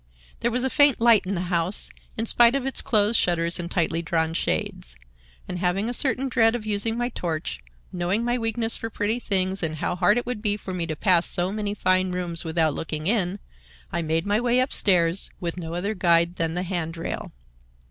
There was a faint light in the house, in spite of its closed shutters and tightly drawn shades; and, having a certain dread of using my torch, knowing my weakness for pretty things and how hard it would be for me to pass so many fine rooms without looking in, I made my way up stairs, with no other guide than the hand rail.